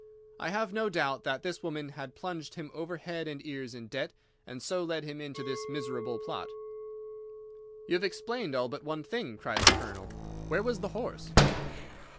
I have no doubt that this woman had plunged him over head and ears in debt, and so led him into this miserable plot." "You have explained all but one thing," cried the Colonel. "Where was the horse?"